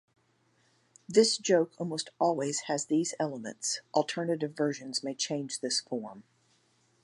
This joke almost always has these elements-alternative versions may change this form.